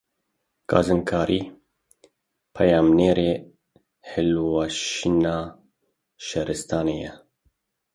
Gazinkarî, peyamnêrê hilweşîna şaristaniyê ye.